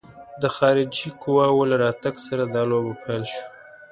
د خارجي قواوو له راتګ سره دا لوبه پیل شوه.